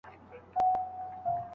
هري خواته وه آسونه ځغلېدله